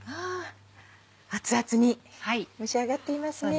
熱々に蒸し上がっていますね。